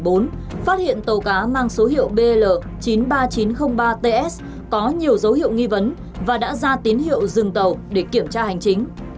phát hiện tàu cá mang số hiệu bl chín mươi ba nghìn chín trăm linh ba ts có nhiều dấu hiệu nghi vấn và đã ra tín hiệu dừng tàu để kiểm tra hành chính